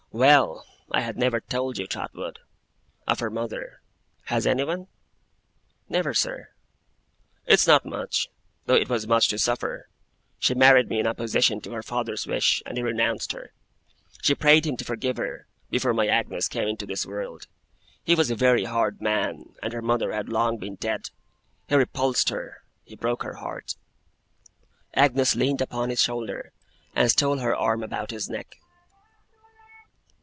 'Well! I have never told you, Trotwood, of her mother. Has anyone?' 'Never, sir.' 'It's not much though it was much to suffer. She married me in opposition to her father's wish, and he renounced her. She prayed him to forgive her, before my Agnes came into this world. He was a very hard man, and her mother had long been dead. He repulsed her. He broke her heart.' Agnes leaned upon his shoulder, and stole her arm about his neck.